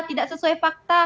tidak sesuai fakta